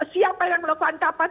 siapa yang melakukan kapan